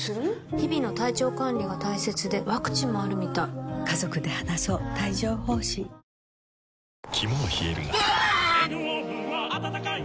日々の体調管理が大切でワクチンもあるみたい肝は冷えるがうわ！